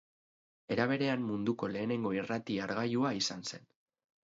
Era berean, munduko lehenengo irrati-hargailua izan zen.